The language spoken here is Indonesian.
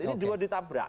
ini dua ditabrak